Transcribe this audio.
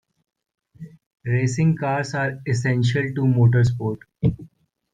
Racing cars are essential to motorsport